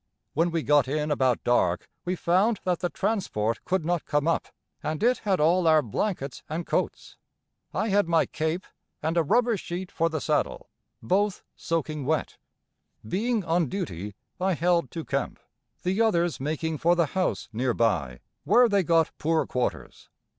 When we got in about dark we found that the transport could not come up, and it had all our blankets and coats. I had my cape and a rubber sheet for the saddle, both soaking wet. Being on duty I held to camp, the others making for the house nearby where they got poor quarters.